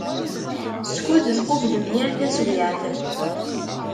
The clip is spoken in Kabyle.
Skud tqublem yal taswiɛt.